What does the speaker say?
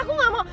aku gak mau